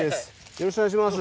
よろしくお願いします。